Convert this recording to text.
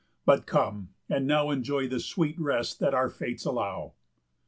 But come, and now Enjoy the sweet rest that our Fates allow."